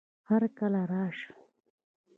هرکله راشه